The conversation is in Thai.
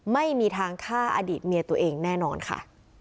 ไม่มีทางฆ่าอดีตเมียตัวเองแน่นอนค่ะ